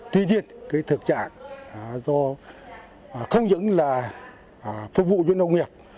tuy nhiên cái thực trạng do không những là phục vụ cho nông nghiệp